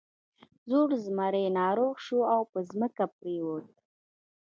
زوړ زمری ناروغ شو او په ځمکه پریوت.